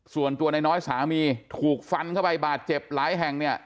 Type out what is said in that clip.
ส่วนตัวนายน้อยสามีถูกฟันเข้าไปบาดเจ็บหลายแห่งเนี่ย